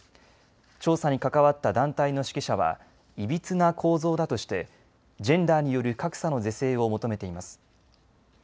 調査に関わった団体の識者はいびつな構造だとしてジェンダーによる格差の是正を求めています。